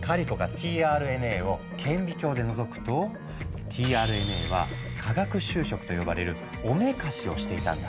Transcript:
カリコがｔＲＮＡを顕微鏡でのぞくとｔＲＮＡは化学修飾と呼ばれるおめかしをしていたんだ。